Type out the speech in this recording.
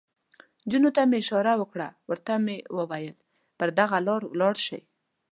نجونو ته مې اشاره وکړه، ورته مې وویل: پر دغه لار ولاړ شئ.